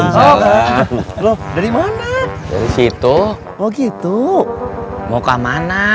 sampai jumpa lagi